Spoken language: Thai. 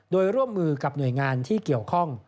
โดยร่วมมือกับหน่วยงานที่เกี่ยวข้อง